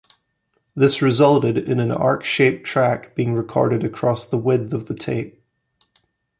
This resulted in an arc-shaped track being recorded across the width of the tape.